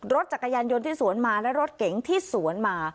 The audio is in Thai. รถจักรยานยนต์ที่สวนมาและรถเก๋งที่สวนมา